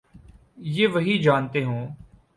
یہ وہی جانتے ہوں۔